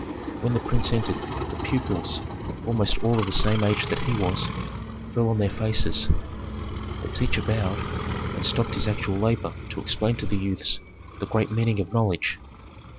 When the prince entered, the pupils, almost all of the same age that he was, fell on their faces. The teacher bowed, and stopped his actual labor to explain to the youths the great meaning of knowledge.